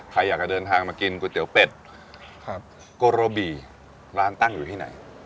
ใครอยากจะเดินทางมากินก๋วยเตี๋ยวเป็ดครับโกโรบีร้านตั้งอยู่ที่ไหน